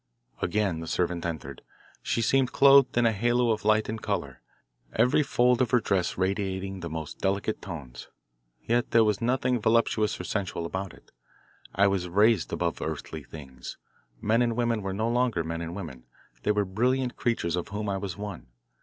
Again the servant entered. She seemed clothed in a halo of light and colour, every fold of her dress radiating the most delicate tones. Yet there was nothing voluptuous or sensual about it. I was raised above earthly things. Men and women were no longer men and women they were brilliant creatures of whom I was one.